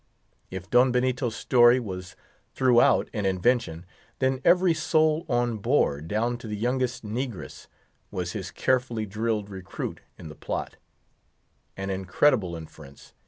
If Don Benito's story was, throughout, an invention, then every soul on board, down to the youngest negress, was his carefully drilled recruit in the plot: an incredible inference.